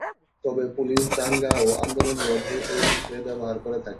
তবে পুলিশ দাঙ্গা ও আন্দোলন রোধে এই স্প্রে ব্যবহার করে থাকে।